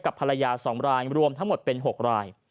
ภรรยา๒รายรวมทั้งหมดเป็น๖ราย